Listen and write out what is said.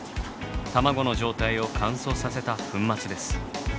卵の状態を乾燥させた粉末です。